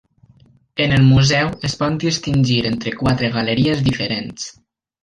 En el museu es pot distingir entre quatre galeries diferents.